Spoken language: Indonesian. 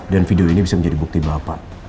dan video ini bisa menjadi bukti bapak